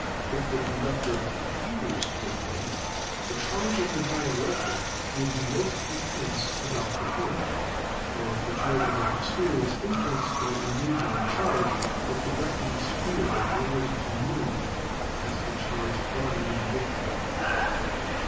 If the conductor tapers to a point, the charge in the dielectric will be most intense about} the point. Or if the charge about the sphere is influenced by a neighboring charge, the conducting sphere allows it to move as the charged body may dictate.